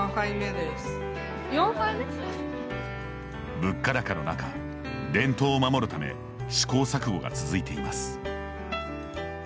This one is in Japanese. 物価高の中、伝統を守るため試行錯誤が続いています。